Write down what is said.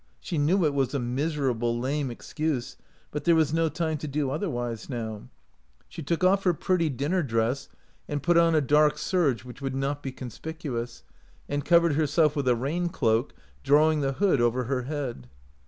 She knew it was a miserable, lame excuse, but there was no time to do otherwise now. She took off her 138 OUT OF BOHEMIA pretty dinner dress and put on a dark serge which would not be conspicuous, and cov ered herself with a rain cloak, drawing the hood over her head.